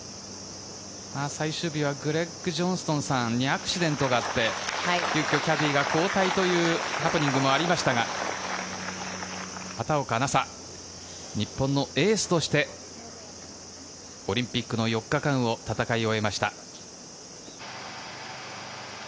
最終日はグレッグ・ジョンストンさんにアクシデントがあってキャディーが交代というハプニングもありましたが畑岡奈紗、日本のエースとしてオリンピックの４日間を戦い終えました。